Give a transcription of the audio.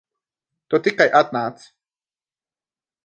Tu tikai atnāc.